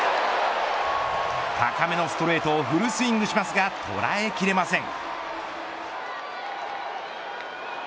高めのストレートをフルスイングしますが捉えきれません。